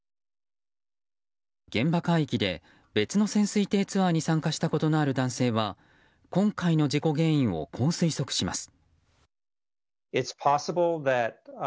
現場海域で、別の潜水艇ツアーに参加したことのある男性は今回の事故原因をこう推測します。